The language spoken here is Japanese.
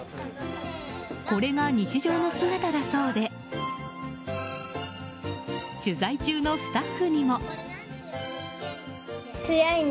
これが日常の姿だそうで取材中のスタッフにも。